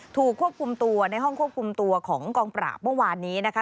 ถูกควบคุมตัวในห้องควบคุมตัวของกองปราบเมื่อวานนี้นะคะ